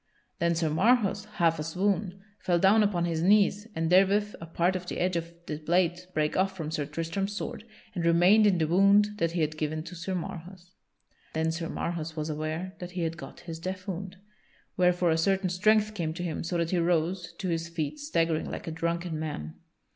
Then Sir Marhaus, half a swoon, fell down upon his knees, and therewith a part of the edge of the blade brake off from Sir Tristram's sword, and remained in the wound that he had given to Sir Marhaus. [Sidenote: Sir Marhaus leaves the field] Then Sir Marhaus was aware that he had got his death wound, wherefore a certain strength came to him so that he rose to his feet staggering like a drunken man.